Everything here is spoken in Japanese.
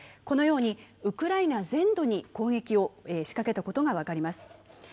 このように、ウクライナ全土に攻撃を仕掛けたことが分かります。